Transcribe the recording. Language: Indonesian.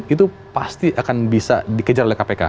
itu pasti akan bisa dikejar oleh kpk